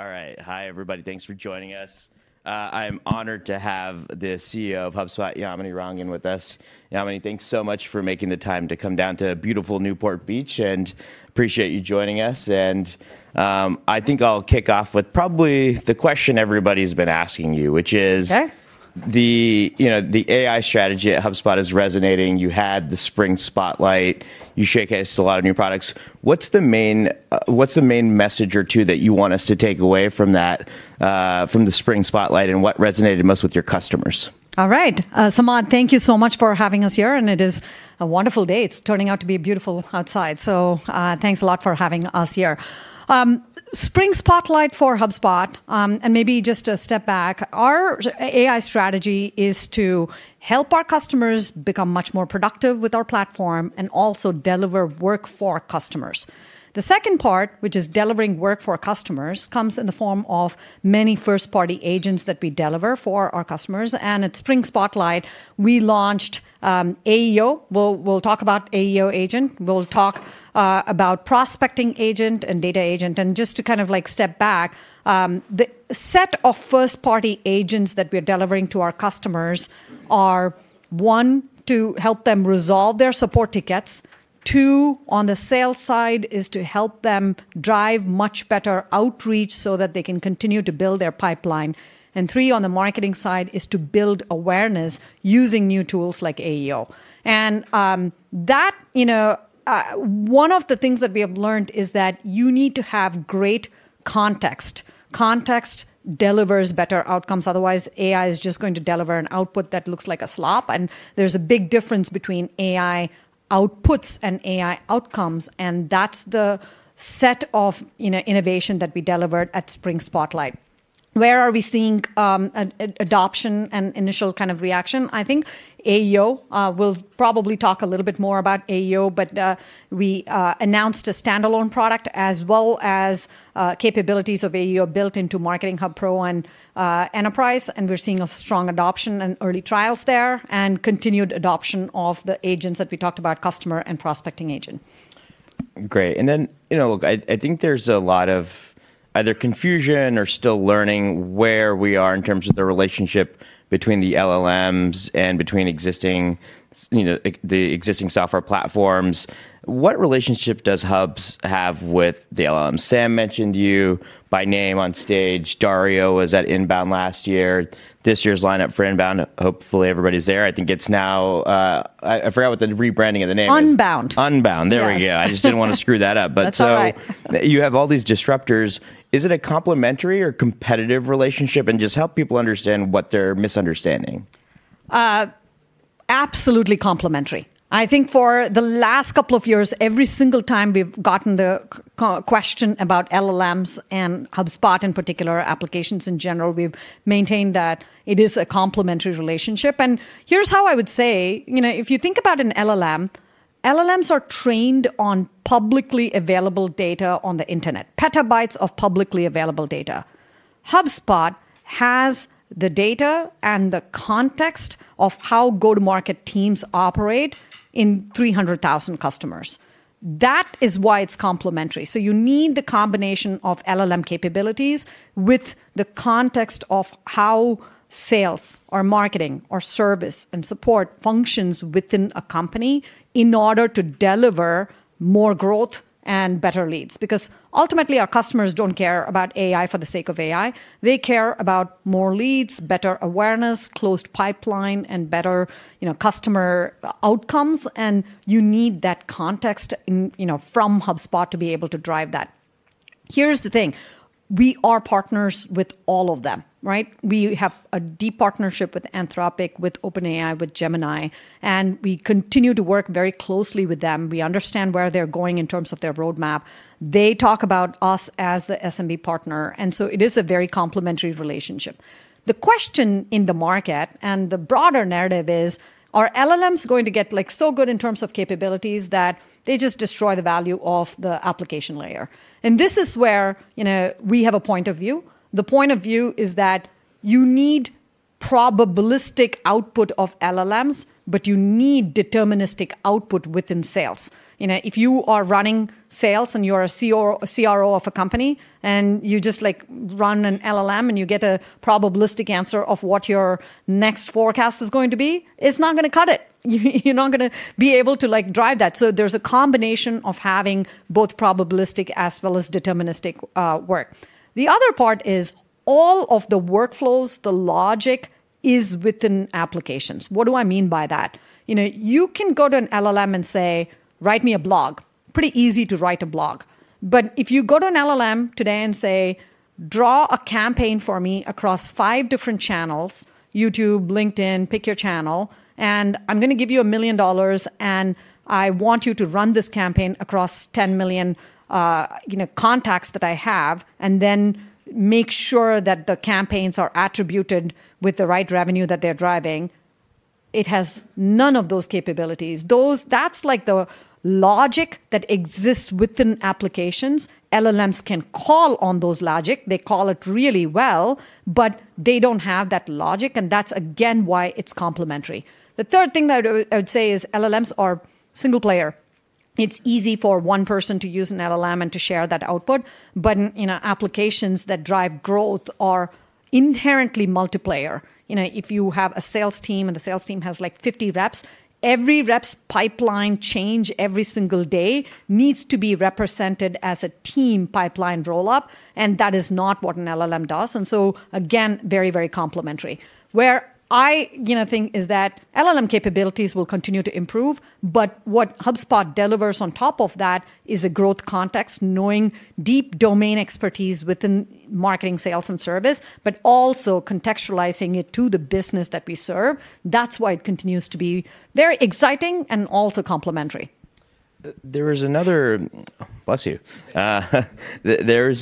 All right. Hi everybody. Thanks for joining us. I am honored to have the CEO of HubSpot, Yamini Rangan, with us. Yamini, thanks so much for making the time to come down to beautiful Newport Beach, and appreciate you joining us. I think I'll kick off with probably the question everybody's been asking you, which is. Okay the AI strategy at HubSpot is resonating. You had the Spring Spotlight, you showcased a lot of new products. What's the main message or two that you want us to take away from the Spring Spotlight, and what resonated most with your customers? All right. Samad Samana, thank you so much for having us here, and it is a wonderful day. It's turning out to be beautiful outside. Thanks a lot for having us here. Spring Spotlight for HubSpot, and maybe just a step back, our AI strategy is to help our customers become much more productive with our platform and also deliver work for our customers. The second part, which is delivering work for our customers, comes in the form of many first-party agents that we deliver for our customers. At Spring Spotlight, we launched AEO. We'll talk about AEO Agent, we'll talk about Prospecting Agent and Data Agent. Just to step back, the set of first-party agents that we're delivering to our customers are, one, to help them resolve their support tickets. Two, on the sales side, is to help them drive much better outreach so that they can continue to build their pipeline. Three, on the marketing side, is to build awareness using new tools like AEO. One of the things that we have learned is that you need to have great context. Context delivers better outcomes, otherwise, AI is just going to deliver an output that looks like a slop, and there's a big difference between AI outputs and AI outcomes, and that's the set of innovation that we delivered at Spring Spotlight. Where are we seeing adoption and initial kind of reaction? I think AEO, we'll probably talk a little bit more about AEO. We announced a standalone product as well as capabilities of AEO built into Marketing Hub Pro and Enterprise. We're seeing a strong adoption in early trials there and continued adoption of the agents that we talked about, Customer Agent and Prospecting Agent. Great. Then, I think there's a lot of either confusion or still learning where we are in terms of the relationship between the LLMs and between the existing software platforms. What relationship does Hubs have with the LLM? Sam mentioned you by name on stage. Dario was at UNBOUND last year. This year's lineup for UNBOUND, hopefully everybody's there. I forget what the rebranding of the name is. UNBOUND. UNBOUND. There we go. Yes. I just didn't want to screw that up. That's all right. You have all these disruptors. Is it a complementary or competitive relationship? Just help people understand what they're misunderstanding. Absolutely complementary. I think for the last couple of years, every single time we've gotten the question about LLMs and HubSpot in particular, applications in general, we've maintained that it is a complementary relationship. Here's how I would say, if you think about an LLM, LLMs are trained on publicly available data on the internet, petabytes of publicly available data. HubSpot has the data and the context of how go-to-market teams operate in 300,000 customers. That is why it's complementary. You need the combination of LLM capabilities with the context of how sales or marketing or service and support functions within a company in order to deliver more growth and better leads. Ultimately, our customers don't care about AI for the sake of AI. They care about more leads, better awareness, closed pipeline, and better customer outcomes, and you need that context from HubSpot to be able to drive that. Here's the thing. We are partners with all of them. We have a deep partnership with Anthropic, with OpenAI, with Gemini, and we continue to work very closely with them. We understand where they're going in terms of their roadmap. They talk about us as the SMB partner, and so it is a very complementary relationship. The question in the market and the broader narrative is, are LLMs going to get so good in terms of capabilities that they just destroy the value of the application layer? This is where we have a point of view. The point of view is that you need probabilistic output of LLMs, but you need deterministic output within sales. If you are running sales and you are a CRO of a company, and you just run an LLM and you get a probabilistic answer of what your next forecast is going to be, it's not going to cut it. You're not going to be able to drive that. There's a combination of having both probabilistic as well as deterministic work. The other part is all of the workflows, the logic is within applications. What do I mean by that? You can go to an LLM and say, "Write me a blog." Pretty easy to write a blog. If you go to an LLM today and say, "Draw a campaign for me across five different channels, YouTube, LinkedIn, pick your channel, and I'm going to give you $1 million, and I want you to run this campaign across 10 million contacts that I have, and then make sure that the campaigns are attributed with the right revenue that they're driving," it has none of those capabilities. That's the logic that exists within applications. LLMs can call on those logic, they call it really well, but they don't have that logic, and that's again why it's complementary. The third thing that I would say is LLMs are single player. It's easy for one person to use an LLM and to share that output. Applications that drive growth are inherently multiplayer. If you have a sales team and the sales team has 50 reps, every rep's pipeline change every single day needs to be represented as a team pipeline roll-up, and that is not what an LLM does. Again, very complementary. Where I think is that LLM capabilities will continue to improve, but what HubSpot delivers on top of that is a growth context, knowing deep domain expertise within marketing, sales, and service, but also contextualizing it to the business that we serve. That's why it continues to be very exciting and also complementary. Bless you. There's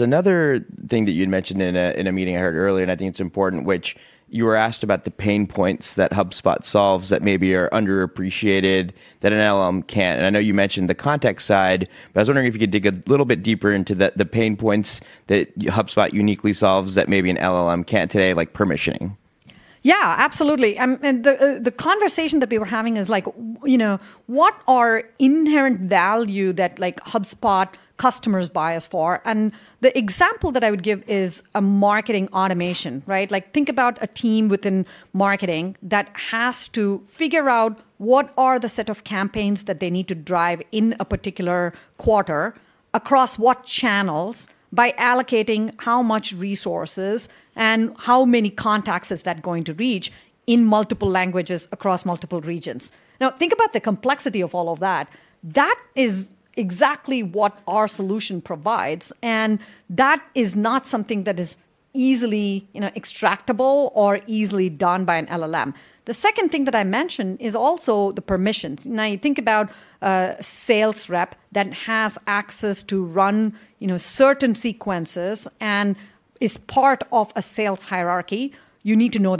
another thing that you'd mentioned in a meeting I heard earlier, and I think it's important, which you were asked about the pain points that HubSpot solves that maybe are underappreciated that an LLM can't. I know you mentioned the context side, but I was wondering if you could dig a little bit deeper into the pain points that HubSpot uniquely solves that maybe an LLM can't today, like permissioning. Yeah, absolutely. The conversation that we were having is what are inherent value that HubSpot customers buy us for? The example that I would give is a marketing automation, right? Think about a team within marketing that has to figure out what are the set of campaigns that they need to drive in a particular quarter, across what channels, by allocating how much resources, and how many contacts is that going to reach in multiple languages across multiple regions. Think about the complexity of all of that. That is exactly what our solution provides, and that is not something that is easily extractable or easily done by an LLM. The second thing that I mentioned is also the permissions. You think about a sales rep that has access to run certain sequences and is part of a sales hierarchy. You need to know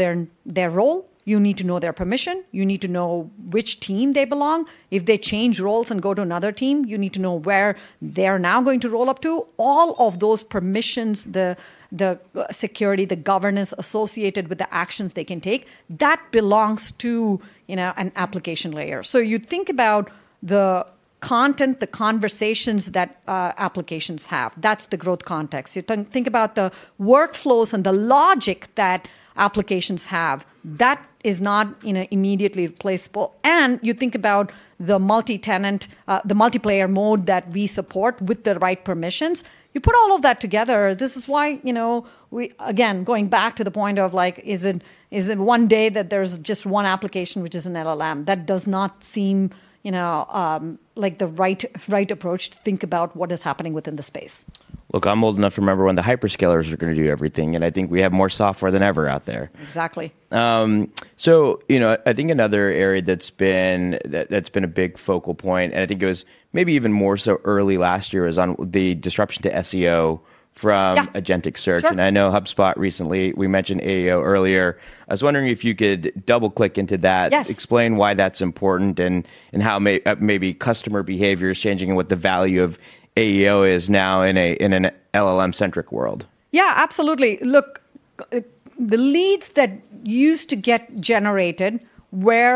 their role. You need to know their permission. You need to know which team they belong. If they change roles and go to another team, you need to know where they're now going to roll up to. All of those permissions, the security, the governance associated with the actions they can take, that belongs to an application layer. You think about the content, the conversations that applications have. That's the growth context. You think about the workflows and the logic that applications have. That is not immediately replaceable. You think about the multiplayer mode that we support with the right permissions. You put all of that together. This is why, again, going back to the point of is it one day that there's just one application which is an LLM. That does not seem like the right approach to think about what is happening within the space. Look, I'm old enough to remember when the hyperscalers are going to do everything, and I think we have more software than ever out there. Exactly. I think another area that's been a big focal point, and I think it was maybe even more so early last year, is on the disruption to SEO. Yeah agentic search. Sure. I know HubSpot recently, we mentioned AEO earlier. I was wondering if you could double-click into that. Yes. Explain why that's important, and how maybe customer behavior is changing and what the value of AEO is now in an LLM-centric world. Absolutely. The leads that used to get generated were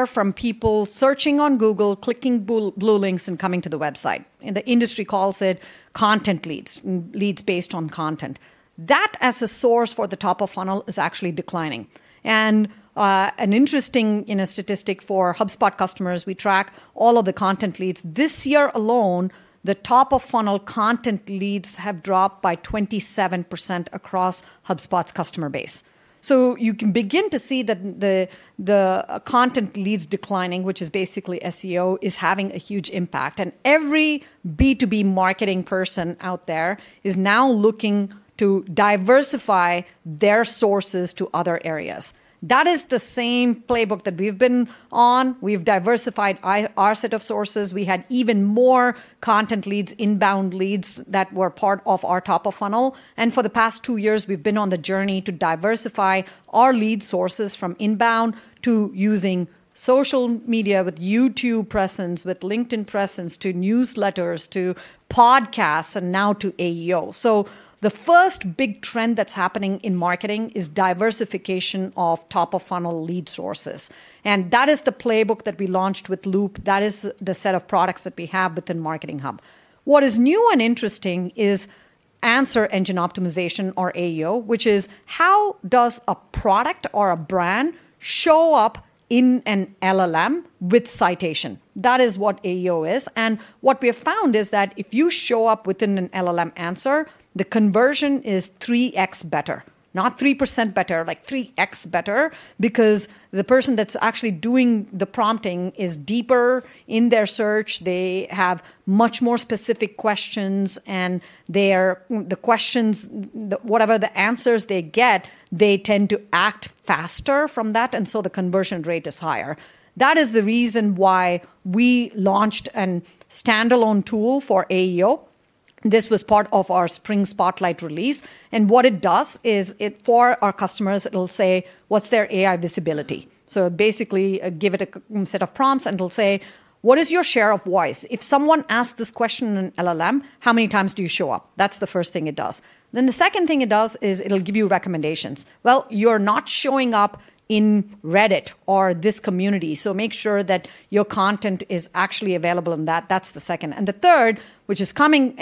from people searching on Google, clicking blue links, and coming to the website, and the industry calls it content leads, leads based on content. That as a source for the top of funnel is actually declining. An interesting statistic for HubSpot customers, we track all of the content leads. This year alone, the top of funnel content leads have dropped by 27% across HubSpot's customer base. You can begin to see that the content leads declining, which is basically SEO, is having a huge impact. Every B2B marketing person out there is now looking to diversify their sources to other areas. That is the same playbook that we've been on. We've diversified our set of sources. We had even more content leads, inbound leads that were part of our top of funnel. For the past two years, we've been on the journey to diversify our lead sources from inbound to using social media with YouTube presence, with LinkedIn presence, to newsletters, to podcasts, and now to AEO. The first big trend that's happening in marketing is diversification of top of funnel lead sources. That is the playbook that we launched with Loop. That is the set of products that we have within Marketing Hub. What is new and interesting is answer engine optimization, or AEO, which is how does a product or a brand show up in an LLM with citation? That is what AEO is. What we have found is that if you show up within an LLM answer, the conversion is 3x better. Not 3% better, like 3x better because the person that's actually doing the prompting is deeper in their search. They have much more specific questions, and whatever the answers they get, they tend to act faster from that, and so the conversion rate is higher. That is the reason why we launched a standalone tool for AEO. This was part of our spring Spotlight release, and what it does is for our customers, it'll say, what's their AI visibility? Basically, give it a set of prompts, and it'll say, "What is your share of voice? If someone asks this question in LLM, how many times do you show up?" That's the first thing it does. The second thing it does is it'll give you recommendations. You're not showing up in Reddit or this community, so make sure that your content is actually available, and that's the second. The third, which is coming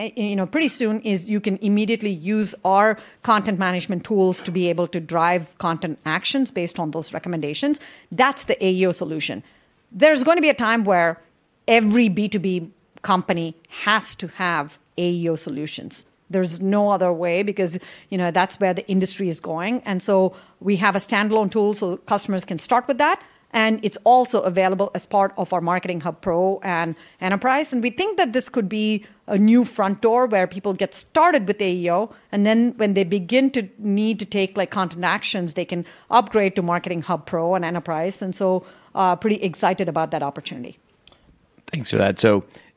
pretty soon, is you can immediately use our content management tools to be able to drive content actions based on those recommendations. That's the AEO solution. There is going to be a time where every B2B company has to have AEO solutions. There's no other way because that's where the industry is going. We have a standalone tool, so customers can start with that, and it's also available as part of our Marketing Hub Pro and Enterprise. We think that this could be a new front door where people get started with AEO, and then when they begin to need to take like content actions, they can upgrade to Marketing Hub Pro and Enterprise. Pretty excited about that opportunity. Thanks for that.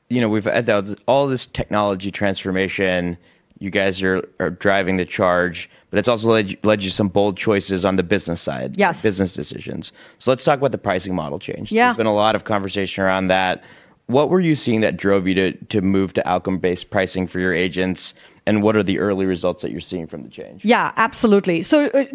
We've had all this technology transformation. You guys are driving the charge, but it's also led you some bold choices on the business side. Yes business decisions. Let's talk about the pricing model change. Yeah. There's been a lot of conversation around that. What were you seeing that drove you to move to outcome-based pricing for your Agents, and what are the early results that you're seeing from the change?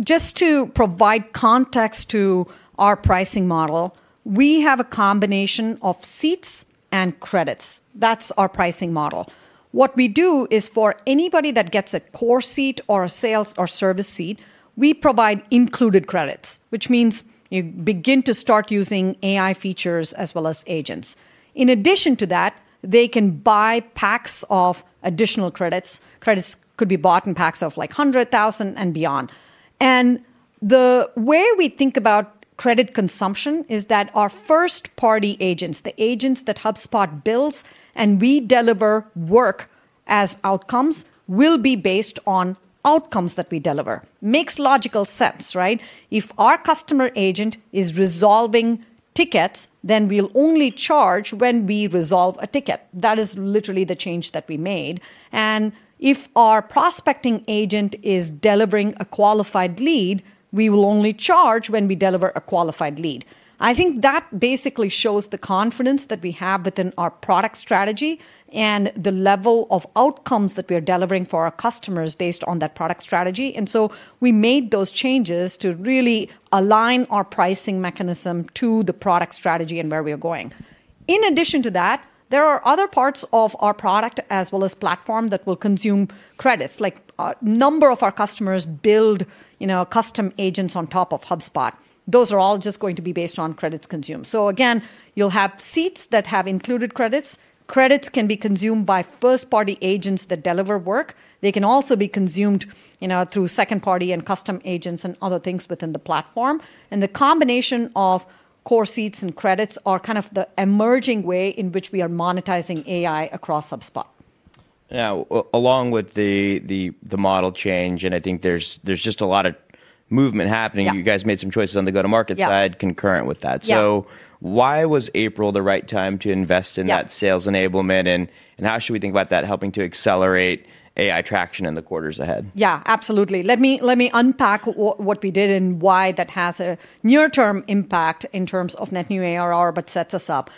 Just to provide context to our pricing model, we have a combination of seats and credits. That's our pricing model. What we do is for anybody that gets a core seat or a sales or service seat, we provide included credits, which means you begin to start using AI features as well as agents. In addition to that, they can buy packs of additional credits. Credits could be bought in packs of like 100,000 and beyond. The way we think about credit consumption is that our first-party agents, the agents that HubSpot builds and we deliver work as outcomes, will be based on outcomes that we deliver. Makes logical sense, right? If our Customer Agent is resolving tickets, then we'll only charge when we resolve a ticket. That is literally the change that we made. If our Prospecting Agent is delivering a qualified lead, we will only charge when we deliver a qualified lead. I think that basically shows the confidence that we have within our product strategy and the level of outcomes that we are delivering for our customers based on that product strategy. We made those changes to really align our pricing mechanism to the product strategy and where we are going. In addition to that, there are other parts of our product as well as platform that will consume credits. A number of our customers build custom agents on top of HubSpot. Those are all just going to be based on credits consumed. Again, you'll have seats that have included credits. Credits can be consumed by first-party agents that deliver work. They can also be consumed through second-party and custom agents and other things within the platform. The combination of core seats and credits are kind of the emerging way in which we are monetizing AI across HubSpot. Yeah. Along with the model change, and I think there's just a lot of movement happening. Yeah you guys made some choices on the go-to-market side. Yeah concurrent with that. Yeah. Why was April the right time to invest in that? Yeah sales enablement, how should we think about that helping to accelerate AI traction in the quarters ahead? Yeah, absolutely. Let me unpack what we did and why that has a near-term impact in terms of net new ARR, sets us up.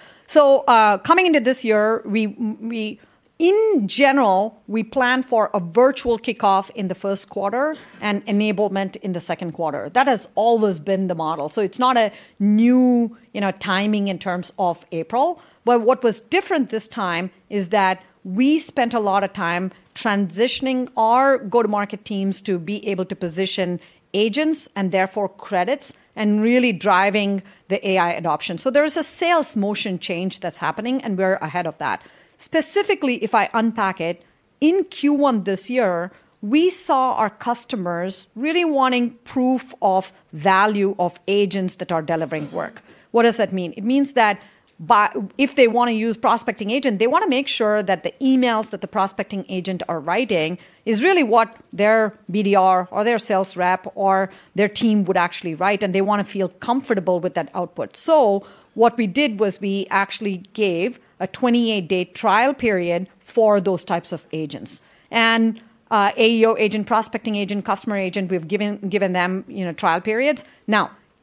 Coming into this year, we in general, we plan for a virtual kickoff in the first quarter and enablement in the second quarter. That has always been the model. It's not a new timing in terms of April. What was different this time is that we spent a lot of time transitioning our go-to-market teams to be able to position agents and therefore credits and really driving the AI adoption. There is a sales motion change that's happening, and we're ahead of that. Specifically, if I unpack it, in Q1 this year, we saw our customers really wanting proof of value of agents that are delivering work. What does that mean? It means that if they want to use Prospecting Agent, they want to make sure that the emails that the Prospecting Agent are writing is really what their BDR or their sales rep or their team would actually write, and they want to feel comfortable with that output. What we did was we actually gave a 28-day trial period for those types of agents. AEO Agent, Prospecting Agent, Customer Agent, we've given them trial periods.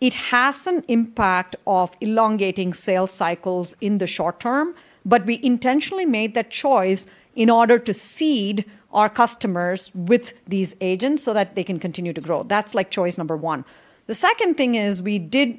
It has an impact of elongating sales cycles in the short term, but we intentionally made that choice in order to seed our customers with these agents so that they can continue to grow. That's like choice number one. The second thing is we did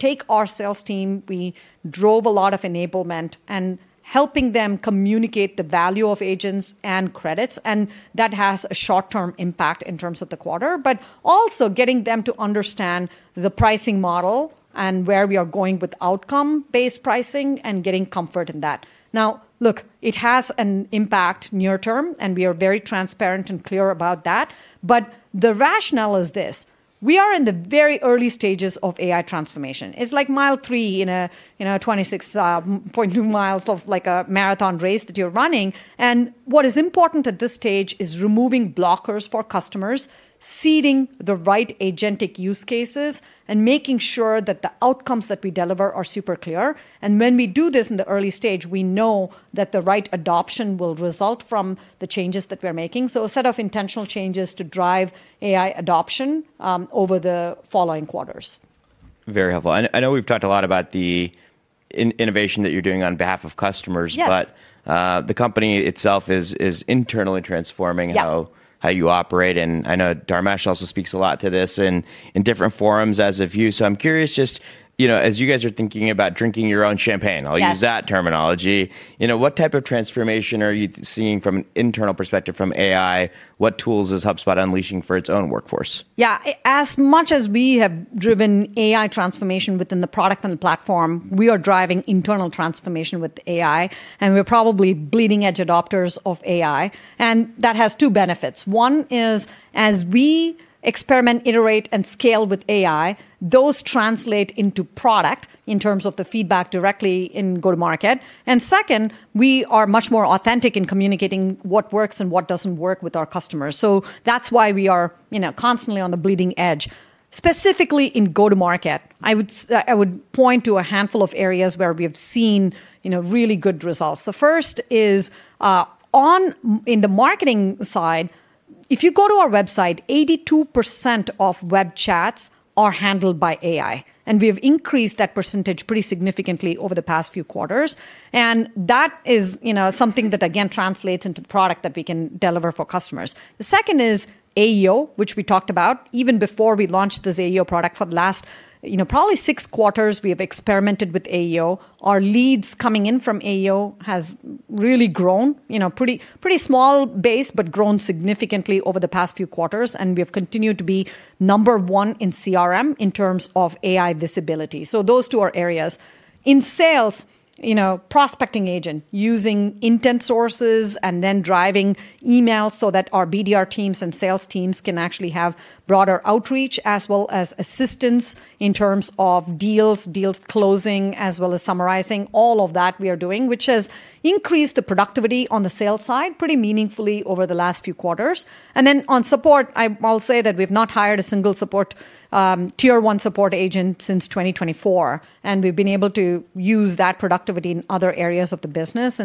take our sales team, we drove a lot of enablement and helping them communicate the value of agents and credits, and that has a short-term impact in terms of the quarter. Also getting them to understand the pricing model and where we are going with outcome-based pricing and getting comfort in that. Now, look, it has an impact near term, and we are very transparent and clear about that. The rationale is this, we are in the very early stages of AI transformation. It's like mile three in a 26.2 mi of like a marathon race that you're running, and what is important at this stage is removing blockers for customers, seeding the right agentic use cases, and making sure that the outcomes that we deliver are super clear. When we do this in the early stage, we know that the right adoption will result from the changes that we're making. A set of intentional changes to drive AI adoption over the following quarters. Very helpful. I know we've talked a lot about the innovation that you're doing on behalf of customers. Yes The company itself is internally transforming. Yep how you operate, and I know Dharmesh also speaks a lot to this in different forums as of you. I'm curious, just as you guys are thinking about drinking your own champagne. Yes I'll use that terminology, what type of transformation are you seeing from an internal perspective from AI? What tools is HubSpot unleashing for its own workforce? Yeah. As much as we have driven AI transformation within the product and the platform, we are driving internal transformation with AI, and we're probably bleeding-edge adopters of AI. That has two benefits. One is as we experiment, iterate, and scale with AI, those translate into product in terms of the feedback directly in go-to-market. Second, we are much more authentic in communicating what works and what doesn't work with our customers. That's why we are constantly on the bleeding edge. Specifically in go-to-market, I would point to a handful of areas where we have seen really good results. The first is in the marketing side, if you go to our website, 82% of web chats are handled by AI, and we have increased that percentage pretty significantly over the past few quarters. That is something that, again, translates into product that we can deliver for customers. The second is AEO, which we talked about even before we launched this AEO product. For the last probably six quarters, we have experimented with AEO. Our leads coming in from AEO has really grown. Pretty small base, but grown significantly over the past few quarters, and we have continued to be number one in CRM in terms of AI visibility. Those two are areas. In sales, Prospecting Agent, using intent sources and then driving emails so that our BDR teams and sales teams can actually have broader outreach as well as assistance in terms of deals closing, as well as summarizing. All of that we are doing, which has increased the productivity on the sales side pretty meaningfully over the last few quarters. On support, I'll say that we've not hired a single tier 1 support agent since 2024, and we've been able to use that productivity in other areas of the business.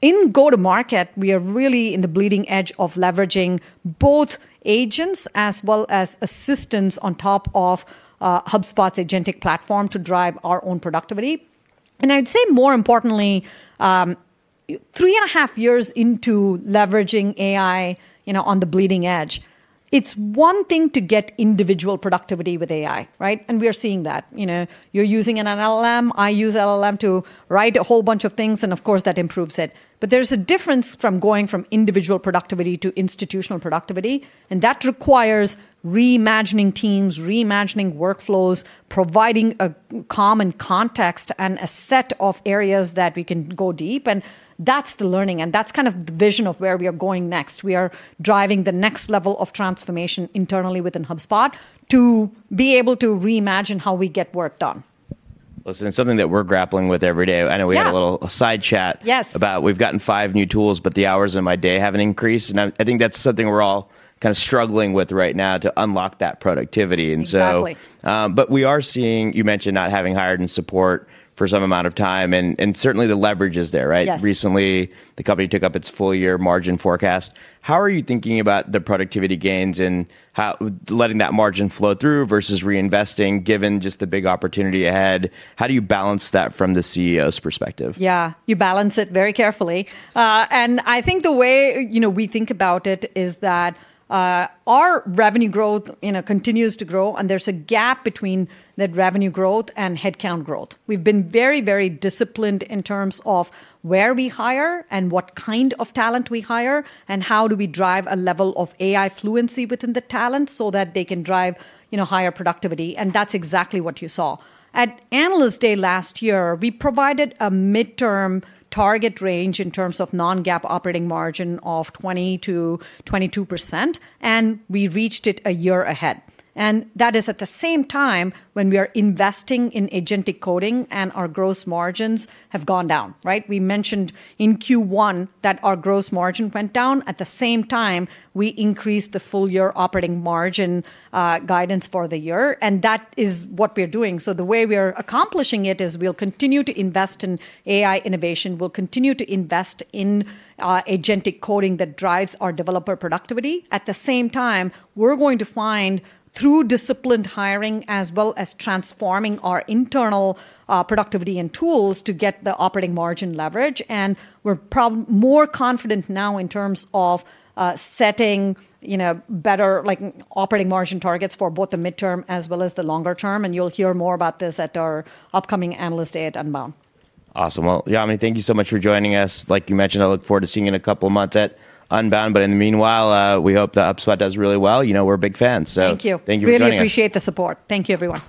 In go-to-market, we are really in the bleeding edge of leveraging both agents as well as assistants on top of HubSpot's agentic platform to drive our own productivity. I'd say more importantly, three and a half years into leveraging AI on the bleeding edge, it's one thing to get individual productivity with AI, right? We are seeing that. You're using an LLM. I use LLM to write a whole bunch of things, and of course, that improves it. There's a difference from going from individual productivity to institutional productivity, and that requires reimagining teams, reimagining workflows, providing a common context and a set of areas that we can go deep, and that's the learning, and that's kind of the vision of where we are going next. We are driving the next level of transformation internally within HubSpot to be able to reimagine how we get work done. Listen, it's something that we're grappling with every day. Yeah a little side chat. Yes We've gotten five new tools, but the hours in my day haven't increased, and I think that's something we're all kind of struggling with right now to unlock that productivity. Exactly We are seeing, you mentioned not having hired in support for some amount of time, and certainly the leverage is there, right? Yes. Recently, the company took up its full year margin forecast. How are you thinking about the productivity gains and letting that margin flow through versus reinvesting, given just the big opportunity ahead? How do you balance that from the CEO's perspective? Yeah. You balance it very carefully. I think the way we think about it is that our revenue growth continues to grow, and there's a gap between net revenue growth and headcount growth. We've been very, very disciplined in terms of where we hire and what kind of talent we hire, and how do we drive a level of AI fluency within the talent so that they can drive higher productivity, and that's exactly what you saw. At Analyst Day last year, we provided a midterm target range in terms of non-GAAP operating margin of 20%-22%, and we reached it a year ahead. That is at the same time when we are investing in agentic coding and our gross margins have gone down, right? We mentioned in Q1 that our gross margin went down. At the same time, we increased the full-year operating margin guidance for the year, and that is what we are doing. The way we are accomplishing it is we'll continue to invest in AI innovation. We'll continue to invest in agentic coding that drives our developer productivity. At the same time, we're going to find through disciplined hiring as well as transforming our internal productivity and tools to get the operating margin leverage, and we're more confident now in terms of setting better operating margin targets for both the midterm as well as the longer term, and you'll hear more about this at our upcoming Analyst Day at UNBOUND. Awesome. Well, Yamini, thank you so much for joining us. Like you mentioned, I look forward to seeing you in a couple of months at UNBOUND. In the meanwhile, we hope that HubSpot does really well. We're big fans. Thank you. Thank you for joining us. Really appreciate the support. Thank you, everyone.